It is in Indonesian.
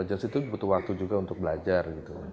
artificial intelligence itu butuh waktu juga untuk belajar